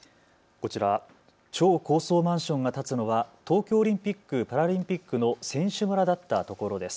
こちら、超高層マンションが建つのは東京オリンピック・パラリンピックの選手村だった所です。